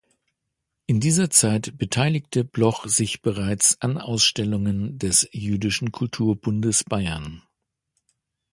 In dieser Zeit beteiligte Bloch sich bereits an Ausstellungen des "Jüdischen Kulturbundes Bayern".